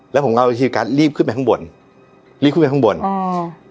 แล้วผมก็เอาคิวการ์ดรีบขึ้นไปข้างบนรีบขึ้นไปข้างบนอ๋อ